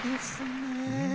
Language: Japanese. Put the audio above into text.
ねえ。